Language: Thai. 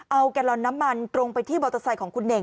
เอาแกลลอนน้ำมันตรงไปที่มอเตอร์ไซค์ของคุณเน่ง